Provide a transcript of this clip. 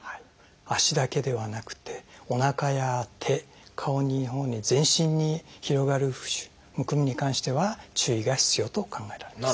足だけではなくておなかや手顔に全身に広がる浮腫むくみに関しては注意が必要と考えられます。